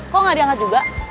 kok nggak diangkat juga